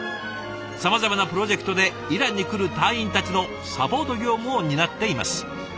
さまざまなプロジェクトでイランに来る隊員たちのサポート業務を担っています。